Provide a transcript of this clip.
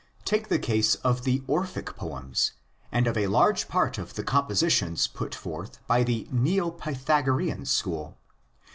Take the case of the Orphic poems and of a large part of the compositions put forth by the Neo Pythagorean school.